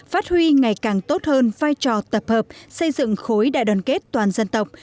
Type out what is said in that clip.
hãy càng tốt hơn vai trò tập hợp xây dựng khối đại đoàn kết toàn dân tộc